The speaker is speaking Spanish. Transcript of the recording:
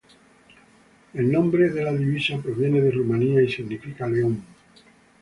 El nombre de la divisa proviene de Rumania y significa "león".